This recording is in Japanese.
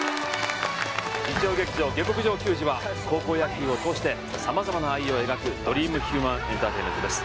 日曜劇場「下剋上球児」は高校野球を通して様々な愛を描くドリームヒューマンエンターテインメントです